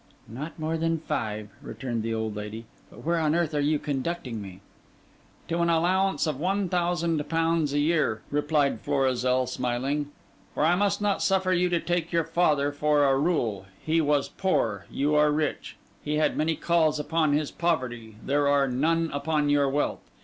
'Not more than five,' returned the old lady; 'but where on earth are you conducting me?' 'To an allowance of one thousand pounds a year,' replied Florizel, smiling. 'For I must not suffer you to take your father for a rule. He was poor, you are rich. He had many calls upon his poverty: there are none upon your wealth.